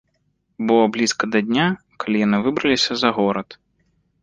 Было блізка да дня, калі яны выбраліся за горад.